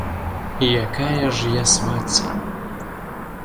Якая ж я свацця?